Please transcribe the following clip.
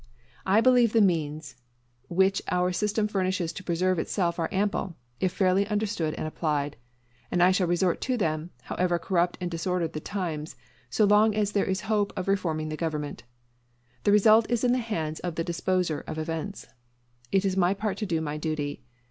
I believe the means which our system furnishes to preserve itself are ample, if fairly understood and applied; and I shall resort to them, however corrupt and disordered the times, so long as there is hope of reforming the government. The result is in the hands of the Disposer of events. It is my part to do my duty.